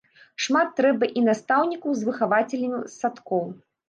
Шмат трэба і настаўнікаў з выхавацелямі садкоў.